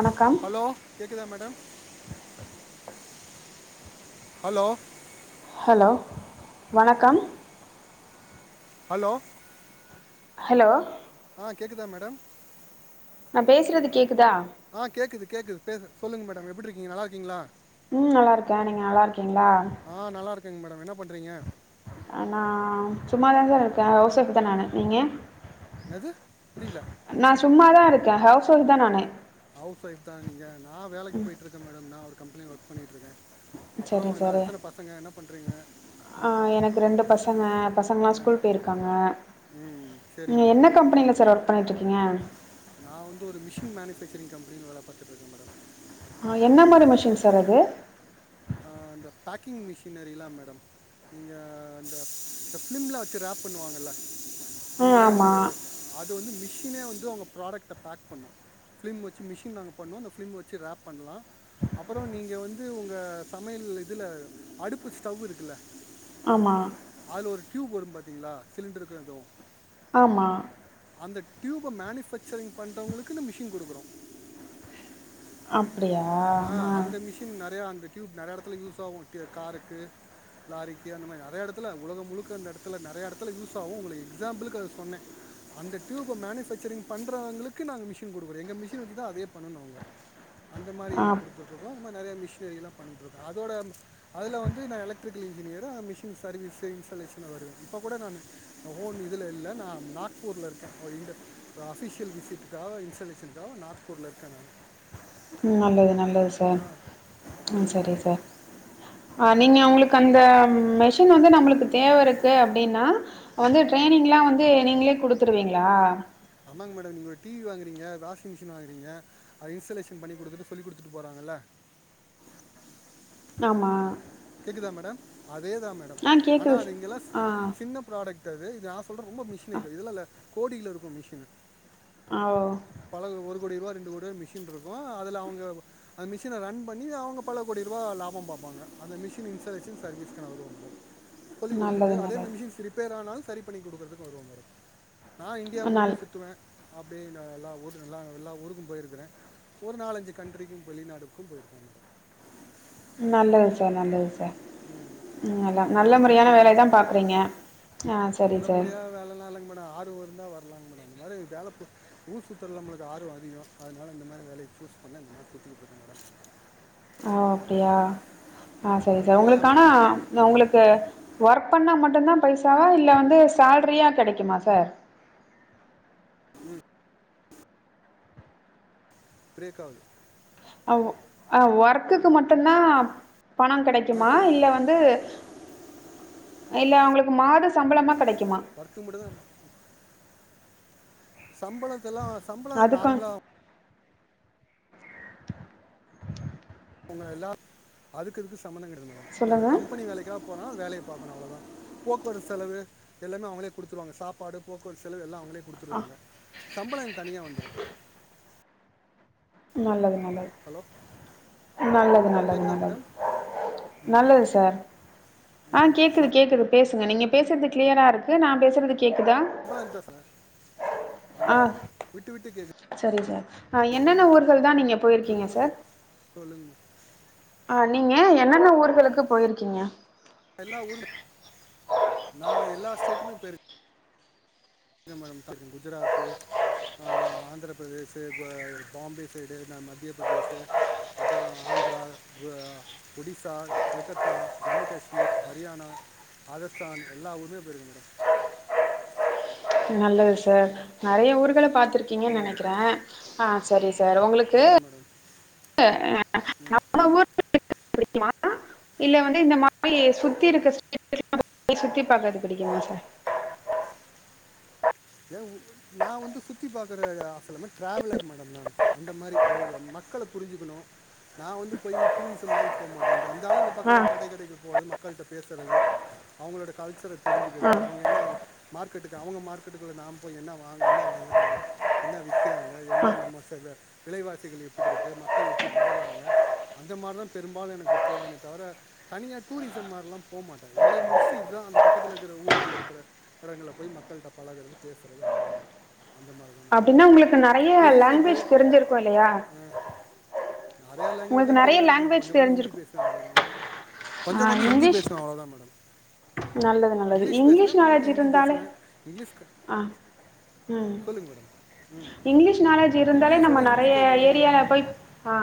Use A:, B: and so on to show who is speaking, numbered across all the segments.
A: வணக்கம்
B: ஹலோ கேக்குதா madam hello
A: hello வணக்கம்
B: ஹலோ
A: ஹலோ
B: ஆ கேக்குதா மேடம்
A: நா பேசுறது கேக்குதா
B: ஆ கேக்குது கேக்குது பேஸ் சொல்லுங்க மேடம் எப்டி இருக்கீங்க நல்லா இருக்கீங்களா
A: ம் நல்லா இருக்கே நீங்க நல்லா இருக்கீங்களா
B: ஆ நல்லாயிருக்கேங்க மேடம் என்ன பண்ணுறீங்க
A: நா சும்மாதாங்க இருக்கே ஹவுஸ் ஒய்ஃப் தா நானு நீங்க
B: என்னது புரியல
A: நா சும்மா தா இருக்கே ஹவுஸ் ஒய்ஃப் தா நானு
B: ஹவுஸ் ஒயஃப் தா நீங்க நா வேலைக்கு போயிட்டு இருக்கே மேடம் நா ஒரு கம்பெனில ஒர்க் பண்ணிட்டு இருக்கே அப்பறோ
A: சரி
B: என்ன
A: சரி
B: எத்தன பசங்க என்ன பண்றீங்க
A: ஆ எனக்கு ரெண்டு பசங்க பசங்கல்லா ஸ்கூல் போயிருக்காங்க
B: ம்
A: நீங்க
B: சரிங்க
A: என்ன கம்பெனில சார் ஒர்க் பண்ணிட்டு இருக்கீங்க
B: நா வந்து ஒரு மிஷின் மேனுபெக்சரிங் கம்பெனில வேல பாத்துட்டு இருக்கே மேடம்
A: ஆ என்ன மாரி மிஷின் சார் அது
B: ஆ அந்த பேக்கிங் மிஷினரிலா மேடம் நீங்க அந்த இந்த ஃபிலிம்மில வச்சு ரேப் பண்ணுவாங்கள்ல
A: ஆ
B: நீங்களே
A: ஆமா
B: உங்க அது வந்து மிஷினே வந்து உங்க ப்ராடக்ட்ட பேக் பண்ணு ஃபிலிம் வச்சு மிஷின் நாங்க பண்னோ அந்த பிஃலிம் வச்சு ரேப் பண்ணலா அப்றோ நீங்க வந்து உங்க சமையல் இதில அடுப்பு ஸ்டவ் இருக்குல்ல
A: ஆமா
B: அதுல ஒரு டியூப் வரு பாத்தீங்களா சிலிண்டருக்கு இதுவு
A: ஆமா
B: அந்த டியூப மேனுஃபேக்சரிங் பண்றவங்களுக்கு இந்த மிஷின் கொடுக்றோ
A: அப்டியா ஆ
B: நெறைய அந்த டியூப் நெறைய இடத்துல யூஸ் ஆகு காருக்கு லாரிக்கி அந்த மாரி நெறைய எடத்துல உலக முழுக்க அ எடத்துல நெறைய எடத்துல யூஸ் ஆகு உங்களுக்கு எக்ஸாம்பிளுக்கு அத சொன்னே அந்த டியூப் மேனுஃபக்சரிங் பண்றவங்களுக்கு நாங்க மிஷின் கொடுக்க்குறோ எங்க மிஷின் வச்சி தா அதே பண்ணங்க அந்த மாரி
A: ஆ,
B: குடுத்துட்டு இருக்கோ இன்னு நெறைய மிஷினரி எல்லா பண்ணிட்டு இருக்கோ அதோட அதுல வந்து நா electrical engineer machine service installation வருவே இப்ப கூட நா இப்போ ஹோன் இதுல இல்ல நா நாக்பூர்ல இருக்கே அவ இங்க ஆஃபிஷியல் விசிட்டுக்காக இன்ஸ்டலேஷனுக்காக நாக்பூரில் இருக்கே நா
A: நல்லது நல்லது சார் ம்
B: சொல்லுங்கள்
A: செரி
B: மேடம்
A: சார் அ நீங்க உங்களுக்கு அந்த மெஷின் வந்து நம்மளுக்கு தேவ இருக்கு அப்டின்னா வந்து
B: ம்
A: ட்ரரைனிங்லா வந்து நீங்களே கொடுத்துருவீங்களா
B: ஆமாங்க மேடம் நீங்க ஒரு டிவி வாங்குறீங்க வாஷிங் மிஷின் வாங்குறீங்க அது இன்ஸ்டலேஷன் பண்ணி கொடுத்துட்டு சொல்லிகொடுத்துட்டு போறாங்கல்ல
A: ஆமா
B: கேக்குதா மேடம் அதேதா மேடம்
A: ஆ
B: ஆனா
A: கேக்குது ஸ்
B: அது இங்க
A: ஆ
B: சின்ன ப்ராடக்ட் இது நா சொல்றே ரொம்ப மிஷின இதுல இ கோடில இருக்கு மிஷின்னு
A: ஆ ஓ
B: பல ஒரு கோடி ரூபா ரெண்டு கோடி ரூபா மிஷின்ருக்கு அதுல அவுங்க அந்த மிஷின ரன் பண்ணி அவுங்க பல கோடி ரூபா லாபோ பாப்பாங்க அந்த மிஷின் இன்ஸ்டலேஷன் சர்வீஸ்கு நா வருவ ப்ரோ சொல்லிகுடுத்துட்டு
A: நல்லது
B: அதே
A: நல்லது
B: மாரி மிஷின்ஸ் ரிப்பேர் ஆனாலு சரி பண்ணி குடுக்கறதுக்கு வருவ ப்ரோ நா இந்தியா முழுக்க
A: நல்
B: சுத்துவே அப்டியே நா நல்லா ஓட்டு நல்லா எல்லா ஊருக்கு போயிருக்கிறே ஒரு நாலஞ்சு கண்ட்ரிக்கு வெளிநாடுக்கும் போயிருக்க மேடம்
A: நல்லது சார் நல்லது சார் ம் எல்லா நல்ல
B: அப்புறங்க மேடம்
A: முறையான வேலைய
B: சொல்லுங்கள்
A: தா பாக்குறீங்க ஆ செரி சார்
B: நல்ல வேலலா இல்லிங்க மேடம் ஆரு இ ருந்தா வரலாங் மேடம் அந்த மாரி வேல ஊர் சுத்துறல நம்மளுக்கு ஆர்வோ அதிகோ அதனால இந்த மாரி வேலய சூஸ் பண்ணே இந்த மாரி சுத்திக்கிட்ருக்க மேடம்
A: ஓ அப்டியா ஆ செரி
B: அங்கே
A: சார்
B: மலையா
A: உங்களுக்கானா
B: மேடம்
A: இல்ல உங்களுக்கு ஒர்க் பண்ணா மட்டுந்தா பைசாவா இல்ல வந்து சேல்ரியா கெடைக்குமா சார்
B: பிரேக்காவ்து
A: அ வொ அ ஒர்க்குக்கு மட்டுந் தா பணங்
B: ஆ
A: கெடைக்குமா
B: சொல்லுங்கள்
A: இல்ல வந் து இல்ல உங்களுக்கு மாத சம்பளமா கெடைக்குமா
B: ஒர்க்கு மட்டு தா சம்பளத்தெல்லா சம்பளோ
A: அதுக்கு
B: நார்மலா [inaudible] எல்லா அதுக்கு இதுக்கு சம்பந்தங் கெடயாது மேடம்
A: சொல்லுங்க
B: கம்பெனி வேலைக் எங்கயா போனா வேலைய பாக்கணு அவ்ளதா போக்குவரத்து செலவு எல்லாமே அவுங்களே குடுத்துருவாங்க சாப்பாடு போக்குவரத்து செலவு எல்லா அவுங்களே குடுத்துருவாங்க சம்பளோ எனக்கு தனியா வந்துரு
A: நல்லது நல்லது
B: ஹலோ
A: நல்லது நல்லது
B: கேட்குதா
A: நல்லது
B: மேடம் ம்
A: நல்லது சார் ஆ
B: ம்
A: கேக்குது கேக்குது பேசுங்க நீங்க பேசுறது க்ளியரா இருக்கு நா பேசுறது கேக்குதா
B: சம்பளோ இதா சார் ஆ விட்டு விட்டு கேக்குது
A: செரி சார் அ என்னென்ன ஊர்கள் தா நீங்க போயிருக்கீங்க சார்
B: சொல்லுங்மா
A: ஆ நீங்க என்னென்ன ஊர்களுக்கு போயிருக்கீங்க
B: எல்லா ஊருமே நா எல்லா ஸ்டேட்டுமே போயிருக் கே மேடம் [inaudible] குஜராத்து ஆ ஆந்திர பிரதேசு குவ பாம்பே சைடு ந மத்திய பிரதேசு அப்றோ ஆந்திரா கு ஒடிசா கல்கத்தா ஜம்மு காஷ்மீர் ஹரியானா ராஸ்தான் எல்லா ஊருமே போயிருக்க மேடம்
A: நல்லது சார் நெறய ஊர்கள பாத்துருக்கீங்க
B: ம்
A: நெனைக்கிறே ஆ செரி சார் உங்களுக் கு
B: ஆமாம் மேடம்
A: [inaudible] பிடிக்குமா இல்ல வந்து இந்த மாரி சுத்தி இருக்க ஸ்டேட் [inaudible] சுத்தி பாக்கறது புடிக்குமா சார்
B: ஏ ஊ நா வந்து சுத்தி பாக்கிற ஆசல்ல மேம் ட்ராவலர் மேடம் நானு அந்த மாரி ஒவுரு மக்கள புரிஞ்சுக்கணு நா வந்து போய் டூரிசம் மாரி போ மாட்டே இங்க வந்தாலு
A: ஆ
B: பக்கத்தில கடை கடைக்கு போறது மக்கள்ட்ட பேசுறது அவுங்களோட கல்ச்சர
A: ஆ
B: தெரிஞ்சுக்கிறது அவுங்க என்ன மார்க்கெட்டுக்கு அவுங்க மார்க்கெட்டுக்குள்ளே நா போய் என்ன வாங்க என்ன வாங்குறாங்க என்ன விக்கிறாங்க என்ன நம்ம சைடுல விலைவாசிகள் எப்டிருக்கு மக்கள் எப்டி பழகுறாங்க அந்த மாரிதா பெரும்பாலு எனக்கு போவேனே தவிர தனியா டூரிசம் மார்ல்லா போ மாட்டே வேலய முடிச்சுட்டு இதா அந்த பக்கத்துல இருக்கிற ஊருக்குள்ள இருகிற எடங்கள்ல போய் மக்கள்ட்ட பழகுறது பேசறது அவ்ளோ தா மேடம் அந்த மாரிதா
A: அப்டின்னா உங்களுக்கு நெறையா லாங்குவேஜ் தெரிஞ்சிருக்கு இல்லயா
B: நெறையா லாங்குவேஜ்லா
A: நிறைய
B: தெரியாது மேடம்
A: லாங்குவேஜ்
B: கொஞ்ச கொஞ்சோ ஹிந்தி
A: தெரிஞ்சிருக்கும்
B: பேசுவே அவ்ளதா கொஞ்ச
A: ஆ
B: கொஞ்ச ஹிந்தி
A: இங்கிலீஷ்
B: பேசுவே அவ்ளதா மேடம்
A: நல்லது நல்லது
B: இங்கிலீஷ் பேசுவே கொஞ்ச
A: நாலேஜ்
B: கொஞ்ச ஹிந்தி
A: இருந்தாலே
B: பேசுவே இங்கிலிஷ் க
A: ஆ ம்
B: சொல்லுங்க மேடம் ம்
A: இங்கிலீஷ் நாலேஜ் இருந்தாலே
B: இங்கிலீஷோட
A: நம்ம
B: ஹிந்தி
A: நெறைய
B: தெரிஞ்சால் தான் மேடம்
A: ஏரியால போய் ஆ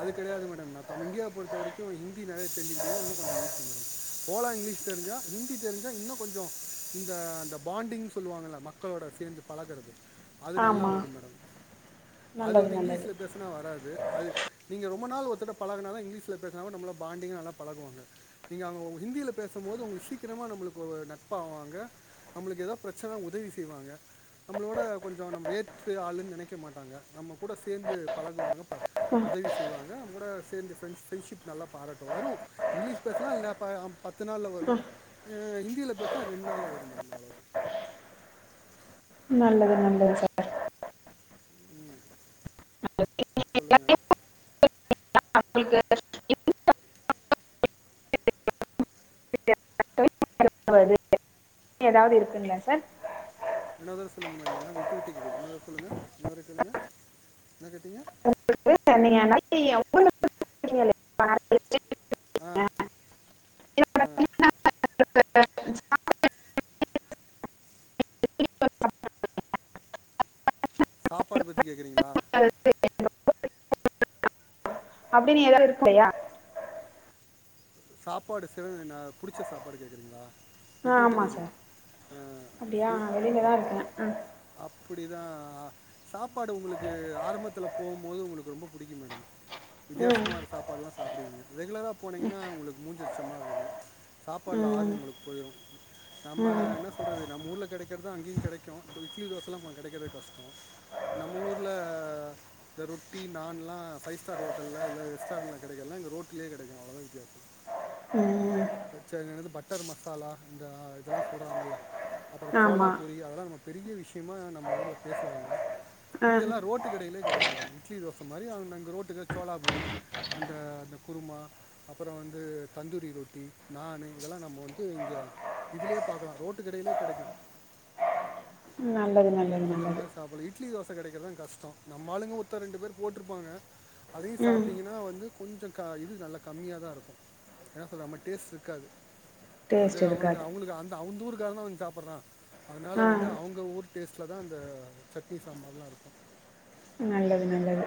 B: அது கெடையாது மேடம் நா தமி இந்தியாவ பொறுத்தவரைக்கூ ஹிந்தி நறைய தெரிஞ்சிகிட்டிங்கனா இன்னு கொஞ்சோ ஈஸி மேடம் போலா இங்கிலீ்ஷ் தெரிஞ்சா ஹிந்தி தெரிஞ்சா இன்னு கொஞ்சோ இந்த அந்த பாண்டிங்னு சொல்லுவாங்கள மக்களோட சேந்து பழகறது அது நல்லா
A: ஆமாம்
B: வரும் மேடம் அது
A: நல்லது
B: வந்து
A: நல்லது
B: இங்லீஷ்ல பே சுனா வராது அது நீங்க ரொம்ப நாள் ஒர்தர்ட பழகுனாதா இங்லீஷ்ல பேசனாகூட நம்மலா பாண்டிங்கா நல்லா பழகுவாங்க நீங்க அவுங்கோ ஹிந்தில பேசம்போது உங்களுக்கு சீக்கிரமா நம்மளுக்கு ஒரு நட்பா ஆவாங்க நம்மளுக்கு எதா பிரச்சனனா உதவி செய்வாங்க நம்மளோட கொஞ்சோ நம்ம வேத்து ஆளுன் நெனைக்க மாட்டாங்க நம்ம கூட சேந்து பழகுவாங்க ப உதவி செய்வாங்க நம்மோட சேந்து ஃப்ரெண்ட்ஷிப் நல்லா பாராட்டு வரு இங்லீஷ் பேஸ்னா ல அ பத்து நாள்ல வரு இ ஹந்தில பேஸ்னா ரெண்டு நாள்ள வரு மேடம் அவ்ளோதா
A: நல்லது நல்லது சார்
B: ம் சொல்லுங்க
A: [inaudible] [inaudible] எதாவ்து இருக்குங்ளா சார்
B: இன்னோர் தடவ சொல்லுங்க மேடம் ஏன்னா விட்டு விட்டு கேக்கது இன்னோரு தடவ சொல்லுங்க இன்னோருதர சொல்லுங்க என்ன கேட்டீங்க
A: [inaudible] [inaudible]
B: ஆ ஆ சாப்பாடு பத்தி கேக்கிறீங்களா
A: [inaudible] அப்டின் ஏதாவ்து இருக்குல்லயா
B: சாப்பாடு செவ நா புடிச்ச சாப்பாடு கேட்குறீங்களா விட்டு
A: ஆ
B: விட்டு
A: ஆமாம்
B: கேக்குது
A: சார்
B: ஆ
A: அப்டியா
B: சு
A: நா வெளில தா
B: அப்
A: இருக்கே
B: அப்டிதா சாப்பாடு உங்குளுக்கு ஆரம்பத்துல போகும் போது உங்களுக்கு ரொம்ப புடிக்கூ மேடம்
A: ம்
B: வித்தியாசமார சாப்பாட்ல்லா சாப்புடுவீங்க ரெகுலரா போனீங்கனா உங்களுக்கு மூன்சிலடிச்ச மாரி இருக்கூ சாப்பாட்ல
A: ம்
B: ஆர்வொ உங்களுக்கு போய்ரு நம்ம
A: ம் ம்
B: என்ன சொல்றது நம்ம ஊர்ல கெடைக்க தா அங்கேயு கெடைக்கூ இட்லி தோசலா மா கெடைக்கிறது கஷ்டோ நம்ம ஊர்ல இந்த ரொட்டி நான்லா ஃபைவ் ஸ்டார் ஹோட்டல்ல இல்ல ரெஸ்டாரண்ட்ல கெடைக்கலா இங்க ரோட்லே கெடைக்கூ அவ்ளோ தா வித்தியாசொ
A: ம்
B: பச்ச இங்கென்னது பட்டர் மசாலா இந்த இதெல்லா சொல்றாங்கல்ல அப்பறோ சோளா
A: ஆமா
B: பூரி அதெல்லா பெரிய விஷயமா நம்ம ஊர்ல பேசுவாங்க
A: ஆ
B: இங்கெல்லா ரோட்டு கைடையிலே கெடைக்கும் மேடம் இட்லி தோச மாரி அவுங்க அங்க ரோட்டு கட சோலாபூரி அந்த அந்த குருமா அப்பறோ வந்து தந்தூரி ரொட்டி நானு இதெல்லா நம்ம வந்து இங்க இதுலயே பாக்கலா ரோட்டு கடையிலயே கெடைக்கூ
A: நல்லது நல்லது
B: அந்த
A: நல்லது
B: மாரி சாப்பலா இட் இட்லி தோச கெடைக்கிறதா கஷ்டோ நம்ம ஆளுங்க ஒருத்தர் ரெண்டு பேர் போட்ருப்பாங்க அதையு
A: ம்
B: சாப்ட்டிங்கனா வந்து கொஞ்சோ க இது நல்லா கம்மியா தா இருக்கூ ஏனா சொல்ல நம்ம டேஸ்ட் இருக்காது அது
A: டேஸ்ட்
B: அவனுங்க
A: இருக்காது
B: அவனுங்க அந்த அந்த ஊருக்காரதா வந்து சாப்பட்றா அதனால
A: ஆ
B: வந்து அவுங்க ஊர் டேஸ்ட்ல தா அந்த சட்னி சாம்பார்ல்லா இருக்கூ
A: நல்லது நல்லது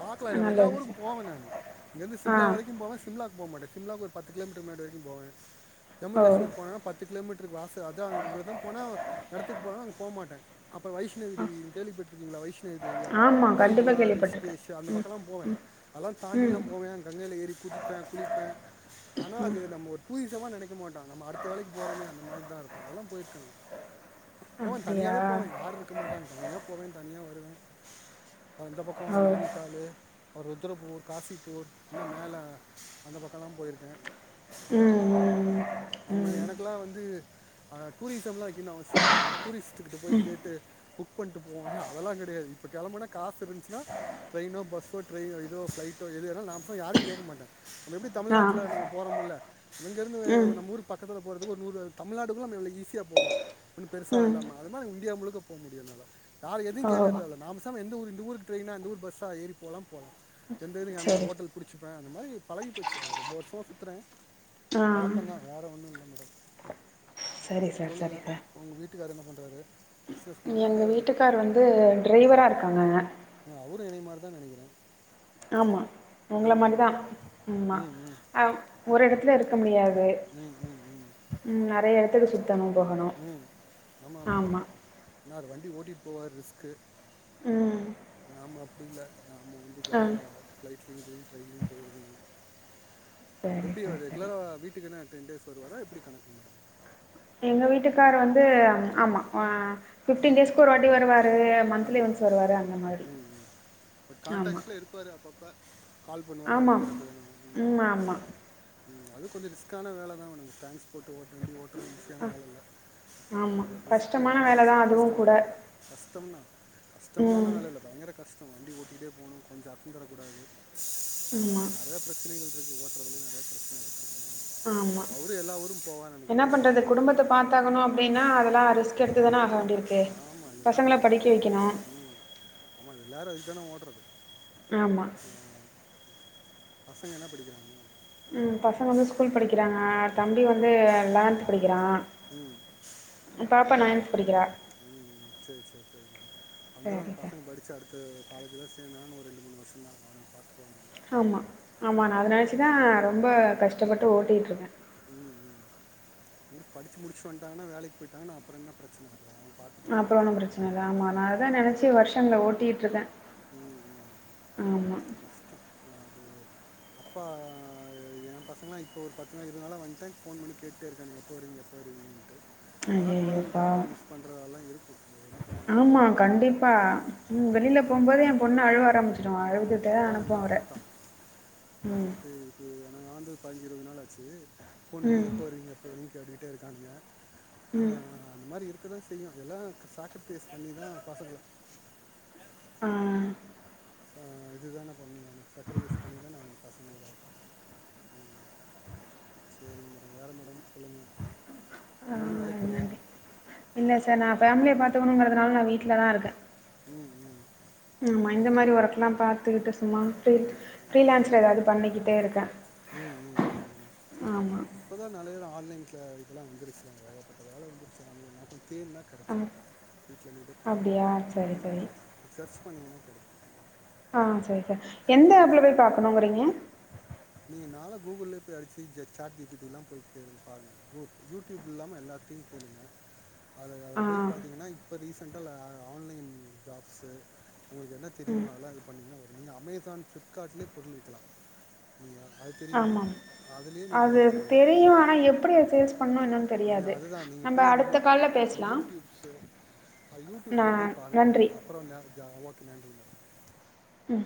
B: பாக்லா நம்ம எல்லா
A: நல்லது
B: ஊருக்கு
A: சார்
B: போவ நானு இங்க இருந்து
A: ஆ
B: சிம்லா வரைக்கும் போவ சிம்லாக்கு போமாட்டே சிம்லாக்கு ஒரு பத்து கிலோ மீட்டர் முன்னாடி வரைக்கூ போவே ஜம்மு
A: ஓ
B: காஷ்மீர் போனா பத் பத்து கிலோமீட்டருக்கு வாச அதா இங்கதா போனா எடத்துக்கு போனாலு அங்க போ மாட்டே அப்பறோ வைஷ்ணவி
A: ஆ
B: தேவி கேள்விப்பட்ருக்கீங்களா வைஷ்ணவி தேவியா
A: ஆமா கண்டிப்பா
B: ஹரித்துவார் ரிஷி
A: கேள்விப்பட்ருக்கே
B: கேஷு அந்த
A: ம்
B: பக்கல்லா போவே அதெல்லா
A: ம்
B: தாண்டில்லா போவே கங்கைல ஏறி குதிப்பே குளிப்பே ஆனா அது நம்ம ஒரு டுரிசமா நெனைக்க மாட்டோ நம்ம அடுத்த வேலைக்கு போறோமே அந்த மார்தா இருக்கூ அதெல்லா போயிருக்க நானு போவே
A: அப்டியா
B: தனியாவே போவே யாரும் இருக்க மாட்டாங்க தனியா போவே தனியா வருவே அந்த பக்கொ
A: ஓ
B: நவிட்டாளு அப்புறம் ருத்ரப்பூர் காசிப்பூர் இன்னும் மேல அந்த பக்கொ எல்லாம் போயிருக்கேன் அப்டியே
A: ம்
B: போவேன்
A: ம்
B: நம்ம
A: ம்
B: எனக்கெல்லாம் வந்து அ டூரிசம் எலாம் வைக்கனும் அவசியம் இலை நம்ம டூரிஸ்டு கிட்ட போய் கேட்டு புக் பண்ணிட்டு போவோம்ன்னு அதெல்லாம் கெடையாது இப்ப கிழம்புனா காசு இருந் ச்சுனா ட்ரெயின்னோ பஸ்ஸோ ட்ரெய் இதோ ஃப்ளைட்டோ எது வேணும் நா போய் யாரையும் கேட்க மாட்டேன் எப்டி
A: ஆ
B: தமிழ்நாட்டுல நம்ம போறோம் முள்ள இங்கிருந்து
A: ம்
B: நம்ம ஊருக் பக்கத்துல போறதுக்கு ஒரு நூறு தமிழ்நாடு நம்ம எவ்ளோ ஈஸியா போவோம் ஒன்னும் பெருசா
A: ம்
B: இல்லாம அது மாரி இந்தியா முழுக்க போ முடியும் என்னால யார எதையும்
A: ஓ
B: கேட்க தேவை நா பேசாம எந்த ஊரு இந்த ஊருக் ட்ரெயின்னா அந்த ஊர் பஸ்ஸா ஏறி போலாம் போலாம் எந்த இதையு [unintelligible] அந்த
A: சரி
B: ஹோட்டல் பிடிச்சிப்பேன் அந்த மாதிரி பழகி போச்சு அது ரொம்ப வருஷமா சுத்துறேன்
A: ஆ
B: பழக்கமந்தான் வேற ஒன்னும் இல்ல மேடம்
A: சரி சார் சரி சார்
B: உங்க வீட்டுக்காரு என்ன பண்ணுறாரு பிஸ்னஸ் மேனா இல்லை
A: எங்கள் வீட்டுக்கார் வந்து
B: ம்
A: டிரைவரா இருக்காங்க
B: ஆ அவுரு என்னையமாரி தான் நெனைக்கிறேன்
A: ஆமா உங்கள மாரி தான் ஆமா
B: ம் ம் ம்
A: அ ஒரு எடத்துல இருக்க முடியாது
B: ம் ம் ம்
A: ம் நிறைய இடத்துக்கு சுத்தனும் போகணும் ஆமா
B: ஏன்னா அவர் வண்டி ஓட்டிட்டு போவார் ரிஸ்கு
A: ம்
B: நாம அப்டி இல்ல நாம வந்து
A: ஆ.
B: ஜாலியா ஃப்ளைட்லையும் செரி ட்ரெயின்லயும் போய்டுவேன்
A: சரி,
B: எப்டி
A: சரி,
B: அவர்
A: சரி.
B: ரெகுலரா வீட்டுக்கு என்ன டென் டேஸ் வருவாரா எப்டி கணக்கு
A: எங்க வீட்டுக்கார் வந்து அம் ஆமா ஆ ஃபிஃப்டீன் டேஸ்க்கு ஒரு வாட்டி வருவாரு மந்த்லி
B: ம்
A: ஓன்ஸ் வருவாரு அந்த மாரி ஆமா
B: இருப்பாரு அப்பப்ப கால் பண்ணுவாரு அந்த
A: ஆமா.
B: மாதிரி அப்படி தான
A: ம். ஆமா.
B: ம் அது கொஞ்சம் ரிஸ்கான வேல தான் மேடம் தேங்க்ஸ் போட்டு ஓட்ட வண்டி ஓட்டுறது ஈஸியான வேலை இல்ல அ
A: ஆமா.
B: ரிஸ்கு
A: கஷ்டமான
B: ரொம்ப
A: வேல
B: ரிஸ்கு
A: தான் அதுவும் கூட.
B: கஷ்டமான வேல கஷ்டம் தான் கஷ்டமான
A: ம்.
B: வேல இல்ல பயங்கர கஷ்டம் வண்டி ஓட்டிட்டே போனும் கொஞ்சம் அசந்துரக் கூடாது
A: ம்மா
B: நிறைய பிரச்சனைகள் இருக்கு ஓட்டுறதுல நிறைய பிரச்சனை இருக்கு
A: ஆமா.
B: அவரும் எல்லா ஊருக்கும் ர போவான
A: என்ன பண்றது குடும்பத்த பாத்தாகணும் அப்டின்னா அதெல்லாம் ரிஸ் புக் எடுத்து
B: ஆமாம்
A: தான ஆக
B: ஆமாம்
A: வேண்டியிருக்கு
B: ஆமாம் இது என்ன
A: பசங்கள படிக்க வைக்கணும்
B: ஆமா எல்லாரும் அதுக்கு தான ஓடுறது
A: ஆமா
B: ஆ பசங்க என்ன படிக்கிறாங்க
A: ம் பசங்க வந்து ஸ்கூல் படிக்கிறாங்க தம்பி வந்து லெவன்த் படிக்கிறான்
B: ம்
A: பாப்பா
B: ம்
A: நைன்த் படிக்கிறா
B: ம் செரி செரி செரி
A: சரி
B: வந்துருவாங்க
A: சார்
B: பசங்க படிசாசு அடுத்து காலேஜில சேர்ந்தா ஒரு ரெண்டு மூணு வருஷம் தா ஆ பாத்து போங்க
A: ஆமா ஆமா நா அத நெனைச்சு தா ரொம்ப
B: ம்
A: கஷ்டப்பட்டு ஓட்டிட்டுருக்கேன்
B: ம் ம் உங்களுக்கு படிச்சு முடிச்சு வந்துட்டாங்கன்னா வேலைக்கு போயிட்டாங்கன்னா அப்புறம் என்ன பிரச்சன
A: அப்றோ ஒன்னு பிரச்சன இல்ல ஆமா நா அத தா நெனைச்சி வருஷங்கள் ஓட்டிட்ருக்கே
B: ம் ம்
A: ஆமா
B: கஷ்டப்ளாது அப்பா எ பசங்களா இப்ப ஒரு பத்துநா இருபதுநாளா வந்ட்டே போன் பண்ணி கேட்டுட்டே இருக்கானுங்க நீங்க எப்போ வருவீங்க எப்போ வருவீங்கனு டு அதா
A: ஐயையோ
B: கொழந்தைங்களுக்கு
A: பாவோ
B: அப்பா மிஸ் பண்றதல்லா இருக்கோ அது ஒன்னு பண்ண முடியாது வரோ மக்களே ம்
A: போம்போதே எ பொண்ணு அழுவ ஆரம்பிச்சுரு அழுதுட்டே
B: அதான்
A: அனுப்பு
B: எல்லாம்
A: அவர ம்
B: ஏ நா ஆந்து பைஞ்சு இருவது நாள் ஆச்சு போன் பண்ணி
A: ம்
B: எப்போ வருவீங்க எப்போ வருவீங்கன் கேட்டுடே இருக்கானுங்க ஆ
A: ம்
B: மாரி இருக்கதா செய்யு எல்லா சாக்ரிபைஸ் பண்ணிதா பசங்கள
A: ஆ
B: ஆ இது தான பண்ணி ஆவனு சக்ரிபைஸ் பண்ணி தான ஆவனு பசங்களுக்காக செரி மேடம் வேற மேடம் சொல்லுங்க
A: ஆ நன்றி இல்ல சார் நா ஃபேமிலிய பாத்துக்கனோங்றதுனால நா வீட்ல தா இருக்கே
B: ம் ம்
A: ஆமா இந்த
B: சரிங்க
A: மாரி
B: மேடம்
A: ஒர்க்லா பாத்துக்கிட்டு சும்மா ஃப்ரீ
B: ம்
A: ஃப்ரீலான்ஸ்ல ஏதாது பண்ணிக்கிட்டே இருக்கே
B: ம் ம் ம் இப்பதா நெறைய ஆன்லைன் க இதுலா வந்துருச்சுல ஏகப்பட்ட வேல வந்துருச்சு தேட்னா
A: ஆ
B: கெடைக் வீட்ல இருந்துட்டே பண்லா
A: அப்டியா சரி சரி
B: ம் சர்ச் பண்ணிங்கன்னா கெடைக்கோ
A: ஆ சரி சார் எந்த ஆப்ல போய் பாக்கனோங்றீங்க
B: நீங்க நேல கூகுள்ளே போய் அடிச்சி ஜ சாட் ஜிபிட்டிலா போய் தேடுங் பாருங்க கோ யூடியூப் இல்லாம எல்லாத்தயோ தேடுங்க அதுல
A: ஆ
B: அதுல போய் பாத்தீங்கன்னா இப்போ ரீசண்ட்டா ல ஆன்லைன் ஜாப்ஸு உங்களுக் என்ன தெரியுமோ அதுலா இது பண்ணிங்கன்னா வரு நீங்க அமேசான் ஃப்ளிப்கார்ட்லே பொருள் விக்கலா நீங்க அது தெரியுமா
A: ஆமாம்
B: அதுலேயே நீங்கள்
A: அது
B: இது பண்ணலாம்
A: தெரியு ஆனா எப்டி அத சேல்ஸ் பண்ணோ என்னன்
B: நீங்கள்
A: தெரியாது நம்ம அடுத்த கால்ல பேஸ்லா
B: டியூப்ஸு அ யூடியூப்ல போய் பாருங்க
A: நன்றி
B: அப்பறோ ந க ஓகே நன்றிங்க
A: ம்